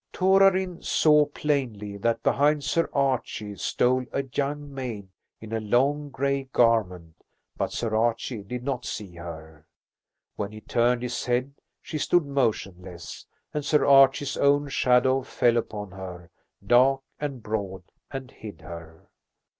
Torarin saw plainly that behind Sir Archie stole a young maid in a long gray garment, but Sir Archie did not see her. When he turned his head she stood motionless, and Sir Archie's own shadow fell upon her, dark and broad, and hid her.